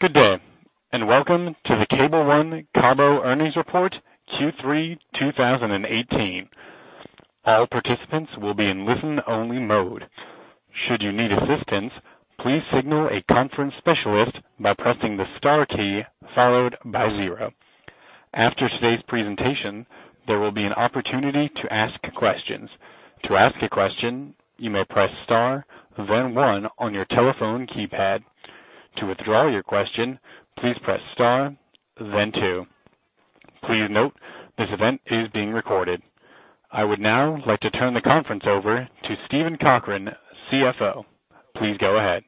Good day, and welcome to the Cable One Earnings Report Q3 2018. All participants will be in listen-only mode. Should you need assistance, please signal a conference specialist by pressing the star key followed by zero. After today's presentation, there will be an opportunity to ask questions. To ask a question, you may press star then one on your telephone keypad. To withdraw your question, please press star then two. Please note, this event is being recorded. I would now like to turn the conference over to Steven Cochran, CFO. Please go ahead.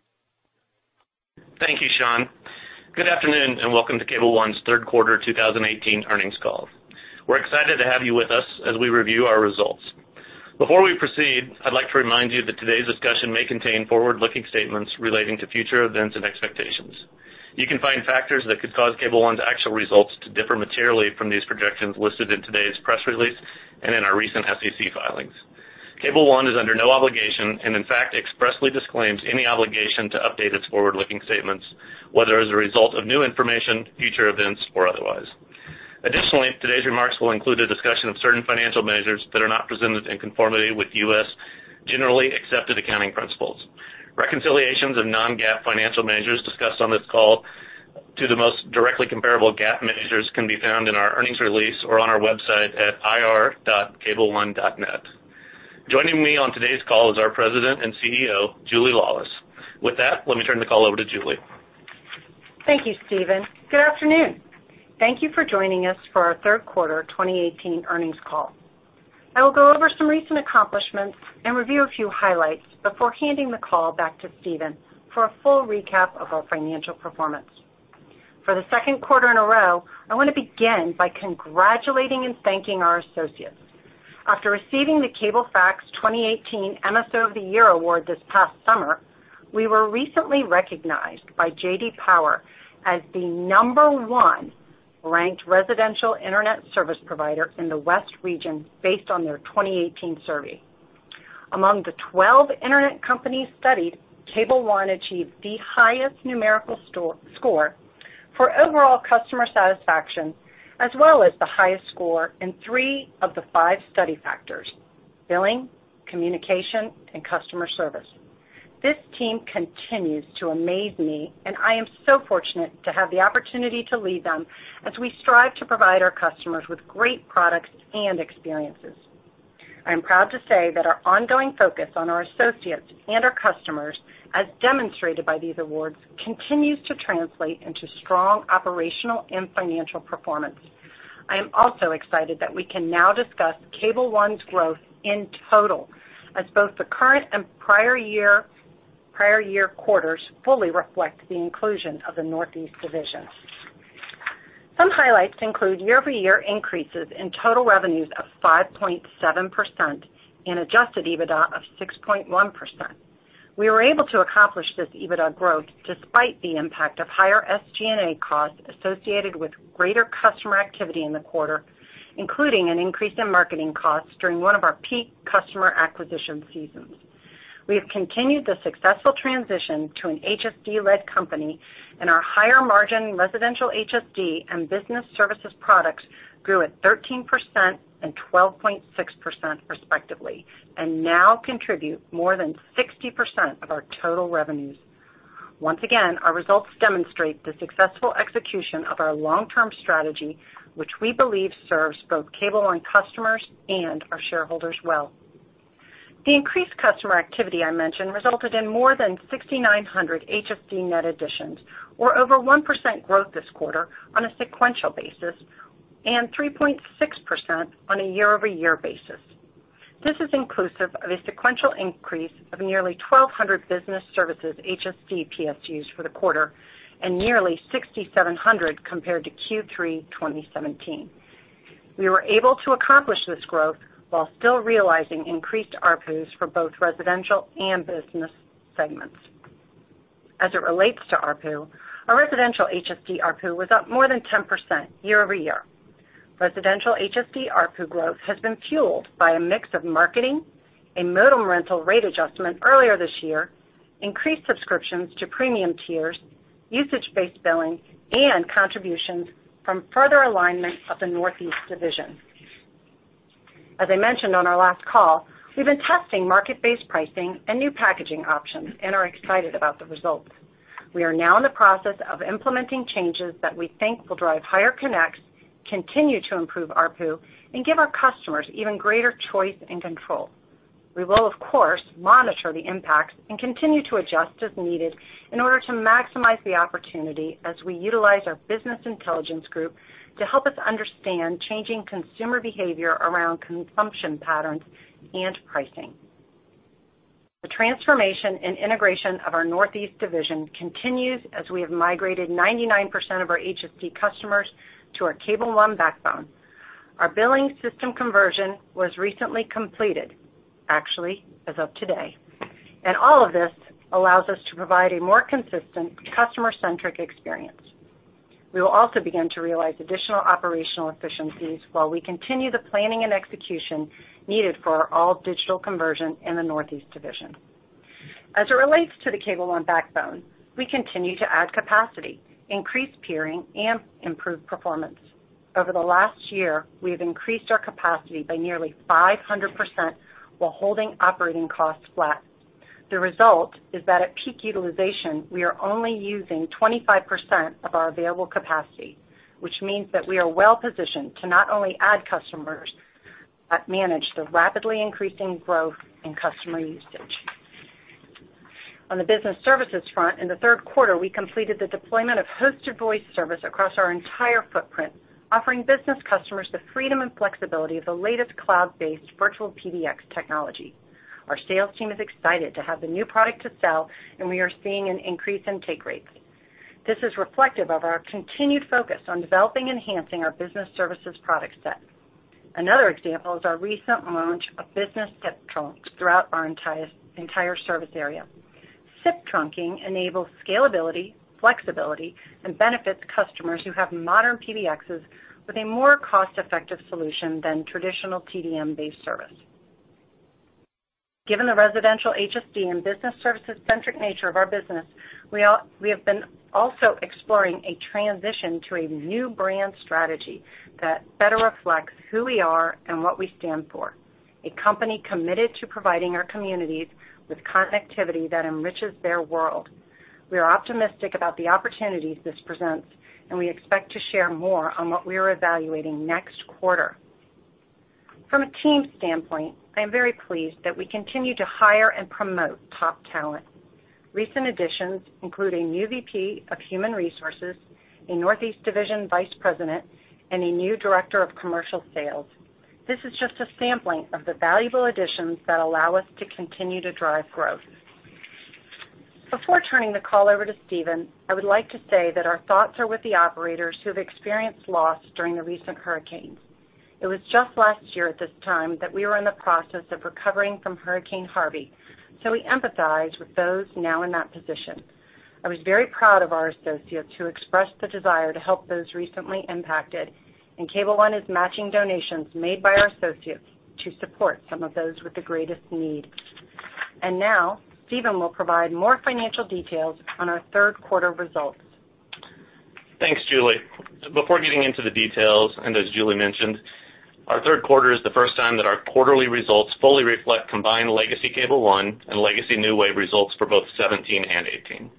Thank you, Sean. Good afternoon, and welcome to Cable One's third quarter 2018 earnings call. We're excited to have you with us as we review our results. Before we proceed, I'd like to remind you that today's discussion may contain forward-looking statements relating to future events and expectations. You can find factors that could cause Cable One's actual results to differ materially from these projections listed in today's press release and in our recent SEC filings. Cable One is under no obligation, and in fact, expressly disclaims any obligation to update its forward-looking statements, whether as a result of new information, future events, or otherwise. Additionally, today's remarks will include a discussion of certain financial measures that are not presented in conformity with U.S. generally accepted accounting principles. Reconciliations of non-GAAP financial measures discussed on this call to the most directly comparable GAAP measures can be found in our earnings release or on our website at ir.cableone.net. Joining me on today's call is our President and CEO, Julie Laulis. With that, let me turn the call over to Julie. Thank you, Steven. Good afternoon. Thank you for joining us for our third quarter 2018 earnings call. I will go over some recent accomplishments and review a few highlights before handing the call back to Steven for a full recap of our financial performance. For the second quarter in a row, I want to begin by congratulating and thanking our associates. After receiving the Cablefax 2018 MSO of the Year award this past summer, we were recently recognized by J.D. Power as the number 1 ranked residential internet service provider in the West region based on their 2018 survey. Among the 12 internet companies studied, Cable One achieved the highest numerical score for overall customer satisfaction, as well as the highest score in three of the five study factors, billing, communication, and customer service. This team continues to amaze me, and I am so fortunate to have the opportunity to lead them as we strive to provide our customers with great products and experiences. I am proud to say that our ongoing focus on our associates and our customers, as demonstrated by these awards, continues to translate into strong operational and financial performance. I am also excited that we can now discuss Cable One's growth in total, as both the current and prior year quarters fully reflect the inclusion of the Northeast division. Some highlights include year-over-year increases in total revenues of 5.7% and adjusted EBITDA of 6.1%. We were able to accomplish this EBITDA growth despite the impact of higher SG&A costs associated with greater customer activity in the quarter, including an increase in marketing costs during one of our peak customer acquisition seasons. We have continued the successful transition to an HSD-led company, and our higher margin residential HSD and business services products grew at 13% and 12.6% respectively, and now contribute more than 60% of our total revenues. Once again, our results demonstrate the successful execution of our long-term strategy, which we believe serves both Cable One customers and our shareholders well. The increased customer activity I mentioned resulted in more than 6,900 HSD net additions, or over 1% growth this quarter on a sequential basis, and 3.6% on a year-over-year basis. This is inclusive of a sequential increase of nearly 1,200 business services HSD PSUs for the quarter, and nearly 6,700 compared to Q3 2017. We were able to accomplish this growth while still realizing increased ARPU for both residential and business segments. As it relates to ARPU, our residential HSD ARPU was up more than 10% year-over-year. Residential HSD ARPU growth has been fueled by a mix of marketing, a modem rental rate adjustment earlier this year, increased subscriptions to premium tiers, usage-based billing, and contributions from further alignment of the Northeast division. As I mentioned on our last call, we've been testing market-based pricing and new packaging options and are excited about the results. We are now in the process of implementing changes that we think will drive higher connects, continue to improve ARPU, and give our customers even greater choice and control. We will, of course, monitor the impacts and continue to adjust as needed in order to maximize the opportunity as we utilize our business intelligence group to help us understand changing consumer behavior around consumption patterns and pricing. The transformation and integration of our Northeast division continues as we have migrated 99% of our HSD customers to our Cable One backbone. Our billing system conversion was recently completed, actually, as of today. All of this allows us to provide a more consistent customer-centric experience. We will also begin to realize additional operational efficiencies while we continue the planning and execution needed for our all-digital conversion in the Northeast division. As it relates to the Cable One backbone, we continue to add capacity, increase peering, and improve performance. Over the last year, we have increased our capacity by nearly 500% while holding operating costs flat. The result is that at peak utilization, we are only using 25% of our available capacity, which means that we are well-positioned to not only add customers, but manage the rapidly increasing growth in customer usage. On the business services front, in the third quarter, we completed the deployment of hosted voice service across our entire footprint, offering business customers the freedom and flexibility of the latest cloud-based virtual PBX technology. Our sales team is excited to have the new product to sell, and we are seeing an increase in take rates. This is reflective of our continued focus on developing and enhancing our business services product set. Another example is our recent launch of business SIP Trunk throughout our entire service area. SIP Trunking enables scalability, flexibility, and benefits customers who have modern PBXs with a more cost-effective solution than traditional TDM-based service. Given the residential HSD and business services-centric nature of our business, we have been also exploring a transition to a new brand strategy that better reflects who we are and what we stand for, a company committed to providing our communities with connectivity that enriches their world. We are optimistic about the opportunities this presents, and we expect to share more on what we are evaluating next quarter. From a team standpoint, I am very pleased that we continue to hire and promote top talent. Recent additions include a new VP of human resources, a Northeast division vice president, and a new director of commercial sales. This is just a sampling of the valuable additions that allow us to continue to drive growth. Before turning the call over to Steven, I would like to say that our thoughts are with the operators who have experienced loss during the recent hurricanes. It was just last year at this time that we were in the process of recovering from Hurricane Harvey, so we empathize with those now in that position. I was very proud of our associates who expressed the desire to help those recently impacted, and Cable One is matching donations made by our associates to support some of those with the greatest need. Now, Steven will provide more financial details on our third quarter results. Thanks, Julie. Before getting into the details, as Julie mentioned, our third quarter is the first time that our quarterly results fully reflect combined legacy Cable One and legacy NewWave Communications results for both 2017 and 2018.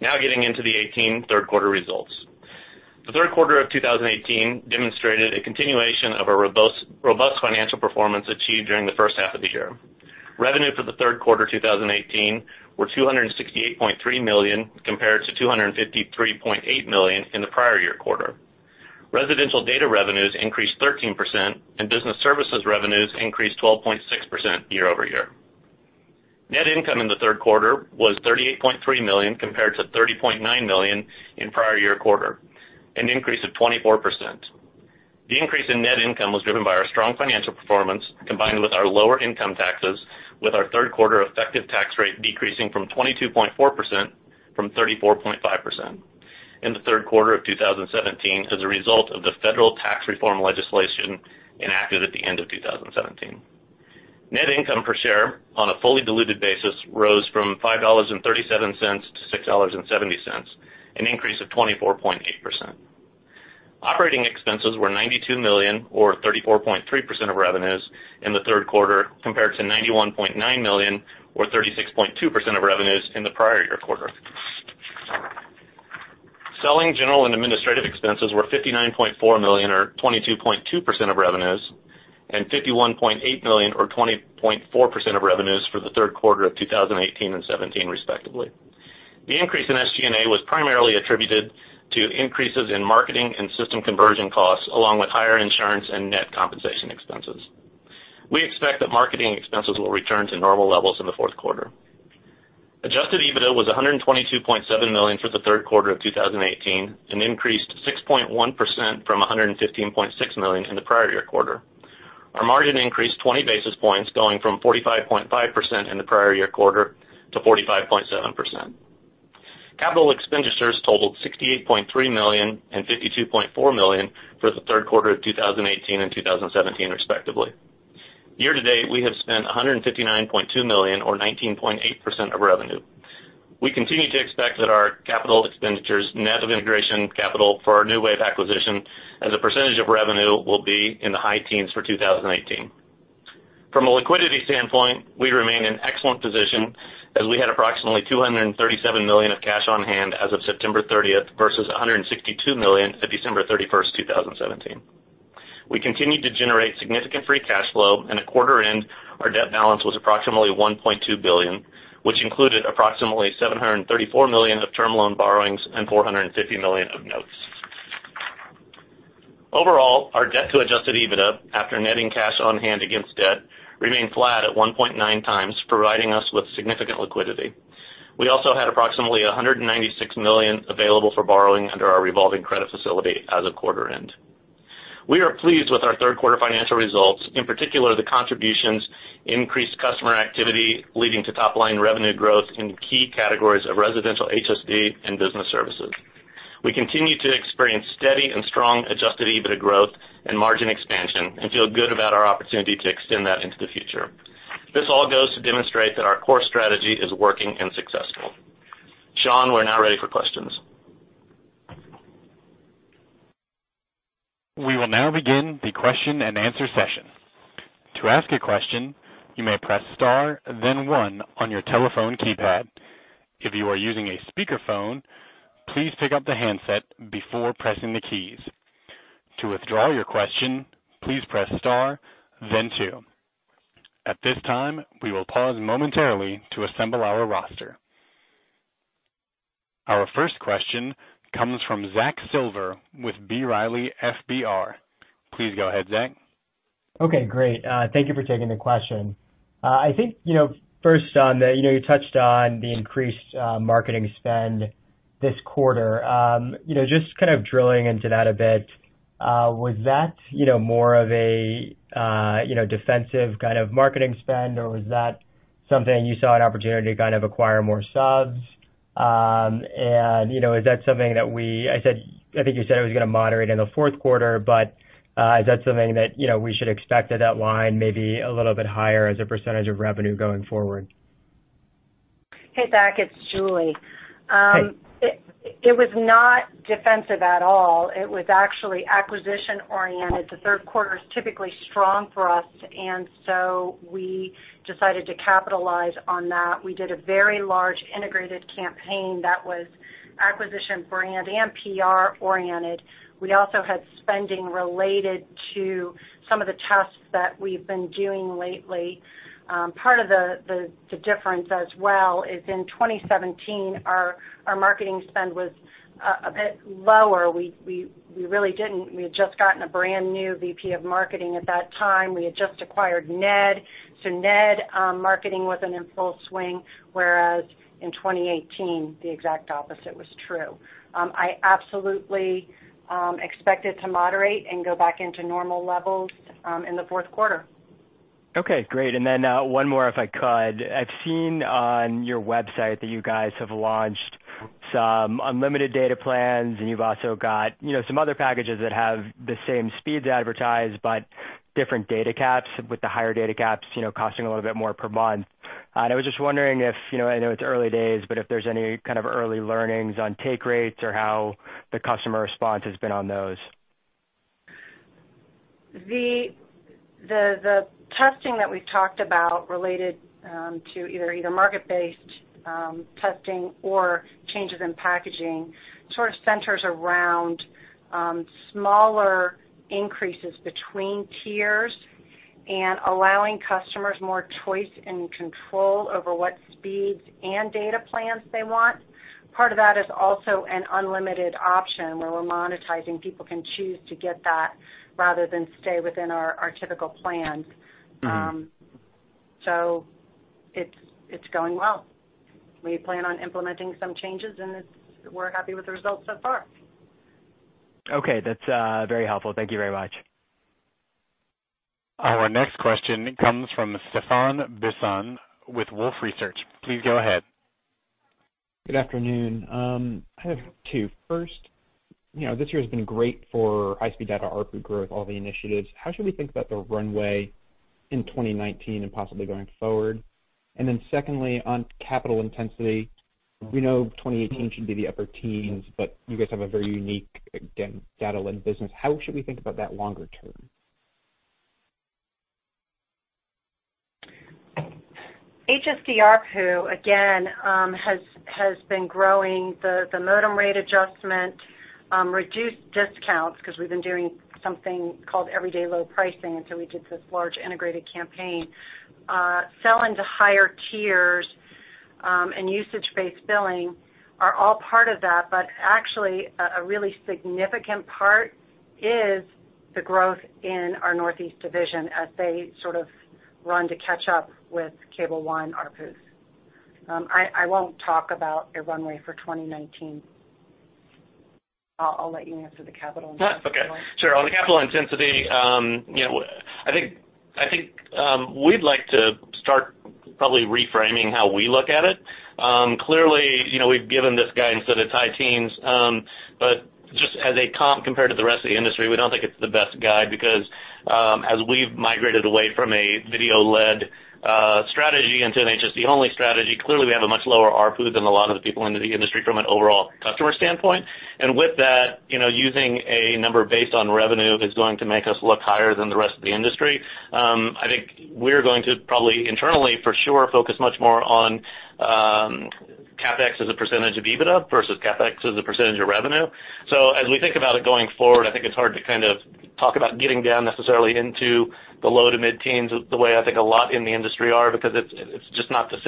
Getting into the 2018 third quarter results. The third quarter of 2018 demonstrated a continuation of a robust financial performance achieved during the first half of the year. Revenue for the third quarter 2018 were $268.3 million compared to $253.8 million in the prior year quarter. Residential data revenues increased 13%, and business services revenues increased 12.6% year-over-year. Net income in the third quarter was $38.3 million compared to $30.9 million in prior year quarter, an increase of 24%. The increase in net income was driven by our strong financial performance, combined with our lower income taxes, with our third quarter effective tax rate decreasing from 22.4% from 34.5% in the third quarter of 2017, as a result of the federal tax reform legislation enacted at the end of 2017. Net income per share on a fully diluted basis rose from $5.37 to $6.70, an increase of 24.8%. Operating expenses were $92 million, or 34.3% of revenues in the third quarter, compared to $91.9 million or 36.2% of revenues in the prior year quarter. Selling general and administrative expenses were $59.4 million or 22.2% of revenues, and $51.8 million or 20.4% of revenues for the third quarter of 2018 and 2017, respectively. The increase in SG&A was primarily attributed to increases in marketing and system conversion costs, along with higher insurance and net compensation expenses. We expect that marketing expenses will return to normal levels in the fourth quarter. Adjusted EBITDA was $122.7 million for the third quarter of 2018, an increase to 6.1% from $115.6 million in the prior year quarter. Our margin increased 20 basis points, going from 45.5% in the prior year quarter to 45.7%. Capital expenditures totaled $68.3 million and $52.4 million for the third quarter of 2018 and 2017, respectively. Year to date, we have spent $159.2 million or 19.8% of revenue. We continue to expect that our capital expenditures net of integration capital for our NewWave Communications acquisition as a percentage of revenue will be in the high teens for 2018. From a liquidity standpoint, we remain in excellent position as we had approximately $237 million of cash on hand as of September 30th, versus $162 million at December 31st, 2017. We continued to generate significant free cash flow and at quarter end, our debt balance was approximately $1.2 billion, which included approximately $734 million of term loan borrowings and $450 million of notes. Overall, our debt to adjusted EBITDA after netting cash on hand against debt remained flat at 1.9 times, providing us with significant liquidity. We also had approximately $196 million available for borrowing under our revolving credit facility as of quarter end. We are pleased with our third quarter financial results, in particular, the contributions increased customer activity, leading to top line revenue growth in key categories of residential HSD and business services. We continue to experience steady and strong adjusted EBITDA growth and margin expansion and feel good about our opportunity to extend that into the future. This all goes to demonstrate that our core strategy is working and successful. Sean, we're now ready for questions. We will now begin the question and answer session. To ask a question, you may press star, then one on your telephone keypad. If you are using a speakerphone, please pick up the handset before pressing the keys. To withdraw your question, please press star, then two. At this time, we will pause momentarily to assemble our roster. Our first question comes from Zack Silver with B. Riley FBR. Please go ahead, Zack. Okay, great. Thank you for taking the question. I think, first, Sean, you touched on the increased marketing spend this quarter. Drilling into that a bit, was that more of a defensive kind of marketing spend, or was that something you saw an opportunity to kind of acquire more subs? Is that something that I think you said it was going to moderate in the fourth quarter, but is that something that we should expect that line maybe a little bit higher as a percentage of revenue going forward? Hey, Zack, it's Julie. Hey. It was not defensive at all. It was actually acquisition oriented. The third quarter is typically strong for us, so we decided to capitalize on that. We did a very large integrated campaign that was acquisition brand and PR oriented. We also had spending related to some of the tests that we've been doing lately. Part of the difference as well is in 2017, our marketing spend was a bit lower. We had just gotten a brand new VP of marketing at that time. We had just acquired NewWave. NewWave marketing wasn't in full swing, whereas in 2018, the exact opposite was true. I absolutely expect it to moderate and go back into normal levels in the fourth quarter. Okay, great. One more if I could. I've seen on your website that you guys have launched some unlimited data plans, you've also got some other packages that have the same speeds advertised, but different data caps with the higher data caps costing a little bit more per month. I was just wondering if, I know it's early days, but if there's any kind of early learnings on take rates or how the customer response has been on those. The testing that we've talked about related to either market-based testing or changes in packaging sort of centers around smaller increases between tiers and allowing customers more choice and control over what speeds and data plans they want. Part of that is also an unlimited option where we're monetizing. People can choose to get that rather than stay within our typical plans. It's going well. We plan on implementing some changes, and we're happy with the results so far. Okay, that's very helpful. Thank you very much. Our next question comes from Stefan Bisson with Wolfe Research. Please go ahead. Good afternoon. I have two. First, this year has been great for high-speed data ARPU growth, all the initiatives. How should we think about the runway in 2019 and possibly going forward? Secondly, on capital intensity, we know 2018 should be the upper teens, but you guys have a very unique, again, data-led business. How should we think about that longer term? HSD ARPU, again, has been growing. The modem rate adjustment reduced discounts because we've been doing something called everyday low pricing until we did this large integrated campaign. Sell into higher tiers and usage-based billing are all part of that. Actually, a really significant part is the growth in our Northeast division as they sort of run to catch up with Cable One ARPUs. I won't talk about a runway for 2019. I'll let you answer the capital intensity one. Okay. Sure. On the capital intensity, I think we'd like to start probably reframing how we look at it. Clearly, we've given this guidance that it's high teens, but just as a comp compared to the rest of the industry, we don't think it's the best guide because as we've migrated away from a video-led strategy into an HSD-only strategy, clearly we have a much lower ARPU than a lot of the people in the industry from an overall customer standpoint. With that, using a number based on revenue is going to make us look higher than the rest of the industry. I think we're going to probably internally for sure focus much more on CapEx as a percentage of EBITDA versus CapEx as a percentage of revenue. As we think about it going forward, I think it's hard to kind of talk about getting down necessarily into the low to mid-teens the way I think a lot in the industry are, because it's not the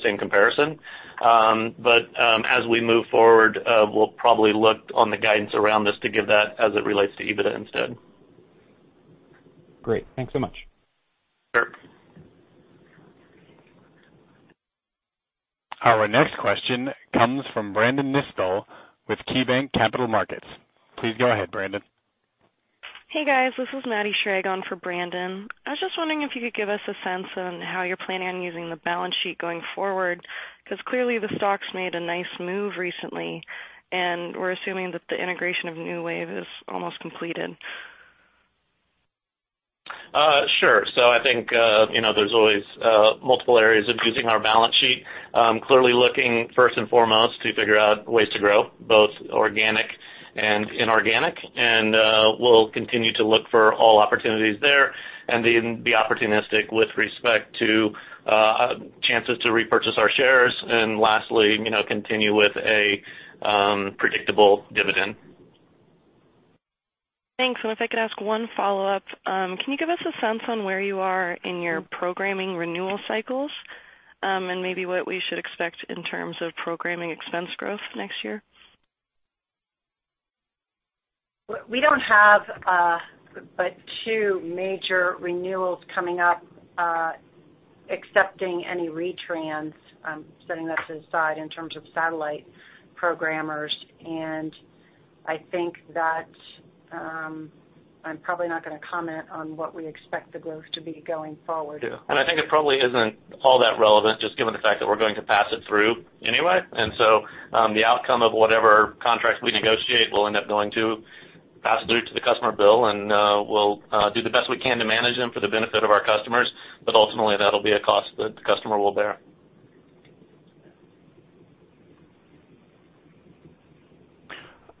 same comparison. As we move forward, we'll probably look on the guidance around this to give that as it relates to EBITDA instead. Great. Thanks so much. Our next question comes from Brandon Nispel with KeyBanc Capital Markets. Please go ahead, Brandon. Hey, guys. This is Maddie Schrage for Brandon. I was just wondering if you could give us a sense on how you're planning on using the balance sheet going forward, because clearly the stock's made a nice move recently, and we're assuming that the integration of NewWave Communications is almost completed. Sure. I think there's always multiple areas of using our balance sheet. Clearly looking first and foremost to figure out ways to grow, both organic and inorganic. We'll continue to look for all opportunities there and then be opportunistic with respect to chances to repurchase our shares and lastly, continue with a predictable dividend. Thanks. If I could ask one follow-up, can you give us a sense on where you are in your programming renewal cycles and maybe what we should expect in terms of programming expense growth next year? We don't have but two major renewals coming up, excepting any retrans, setting that to the side in terms of satellite programmers. I think that I'm probably not going to comment on what we expect the growth to be going forward. Yeah. I think it probably isn't all that relevant, just given the fact that we're going to pass it through anyway. The outcome of whatever contracts we negotiate will end up going to pass through to the customer bill, and we'll do the best we can to manage them for the benefit of our customers. Ultimately, that'll be a cost that the customer will bear.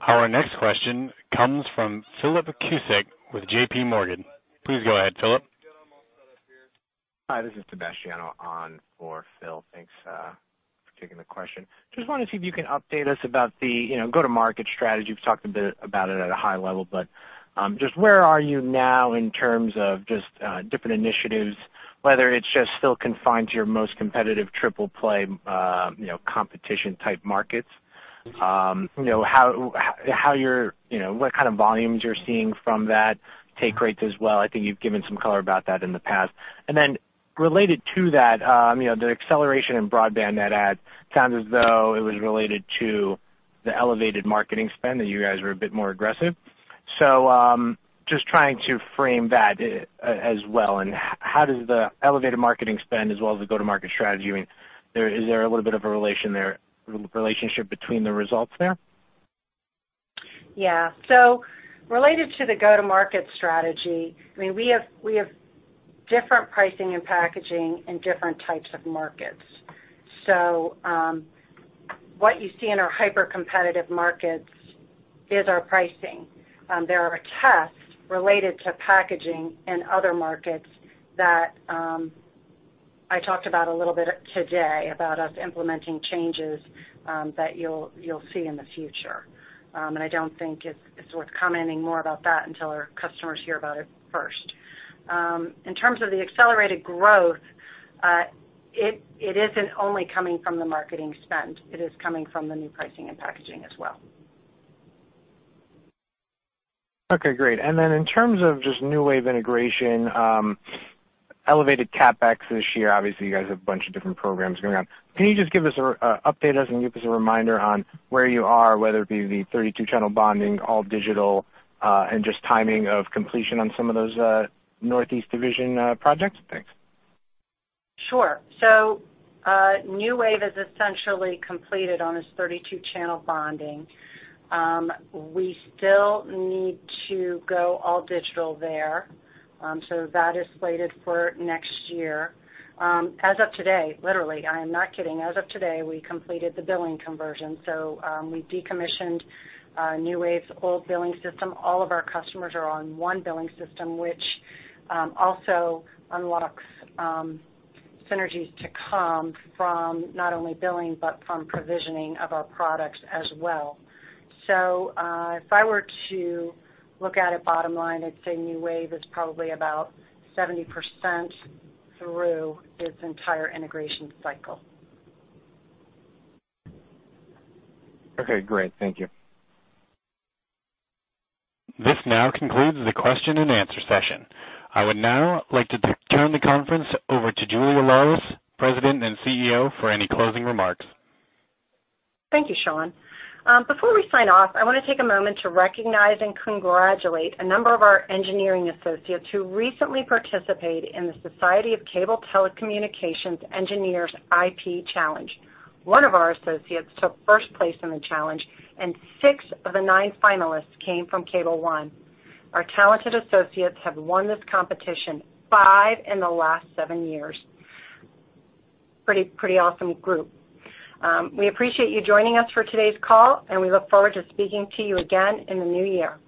Our next question comes from Philip Cusick with J.P. Morgan. Please go ahead, Philip. Sebastiano on for Phil. Thanks for taking the question. Wanted to see if you can update us about the go-to-market strategy. You've talked a bit about it at a high level, where are you now in terms of different initiatives, whether it's still confined to your most competitive triple play competition type markets? What kind of volumes you're seeing from that, take rates as well. I think you've given some color about that in the past. Related to that, the acceleration in broadband net add sounds as though it was related to the elevated marketing spend, that you guys were a bit more aggressive. Trying to frame that as well, how does the elevated marketing spend as well as the go-to-market strategy, is there a little bit of a relationship between the results there? Related to the go-to-market strategy, we have different pricing and packaging in different types of markets. What you see in our hyper-competitive markets is our pricing. There are tests related to packaging in other markets that I talked about a little bit today, about us implementing changes that you'll see in the future. I don't think it's worth commenting more about that until our customers hear about it first. In terms of the accelerated growth, it isn't only coming from the marketing spend. It is coming from the new pricing and packaging as well. In terms of NewWave Communications integration, elevated CapEx this year, obviously you guys have a bunch of different programs going on. Can you update us and give us a reminder on where you are, whether it be the 32-channel bonding, all digital, and timing of completion on some of those Northeast Division projects? Thanks. NewWave Communications is essentially completed on its 32-channel bonding. We still need to go all digital there. That is slated for next year. As of today, literally, I am not kidding, as of today, we completed the billing conversion. We decommissioned NewWave Communications's old billing system. All of our customers are on one billing system, which also unlocks synergies to come from not only billing, but from provisioning of our products as well. If I were to look at it bottom line, I'd say NewWave Communications is probably about 70% through its entire integration cycle. Okay, great. Thank you. This now concludes the question and answer session. I would now like to turn the conference over to Julie Laulis, President and CEO, for any closing remarks. Thank you, Sean. Before we sign off, I want to take a moment to recognize and congratulate a number of our engineering associates who recently participated in the Society of Cable Telecommunications Engineers IP Challenge. One of our associates took first place in the challenge, and six of the nine finalists came from Cable One. Our talented associates have won this competition five in the last seven years. Pretty awesome group. We appreciate you joining us for today's call, and we look forward to speaking to you again in the new year.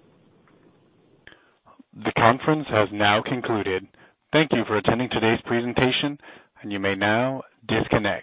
The conference has now concluded. Thank you for attending today's presentation. You may now disconnect.